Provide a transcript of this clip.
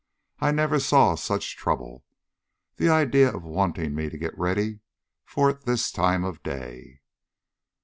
I never saw such trouble! The idea of wanting me to get ready for it this time of day!"